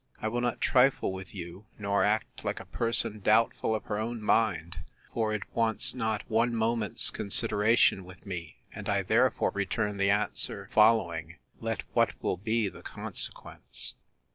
I will not trifle with you, nor act like a person doubtful of her own mind; for it wants not one moment's consideration with me; and I therefore return the ANSWER following, let what will be the consequence.